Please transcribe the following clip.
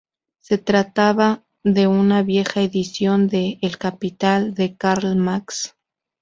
Se trataba de una vieja edición de "El Capital", de Karl Marx.